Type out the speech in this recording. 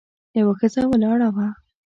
یوه ښځه ولاړه وه.